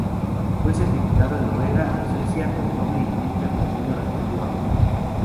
Fue certificado en Noruega y Suecia con doble y triple platino respectivamente.